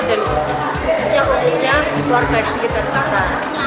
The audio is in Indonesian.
dan khususnya orang orang di luar kaki sekitar kata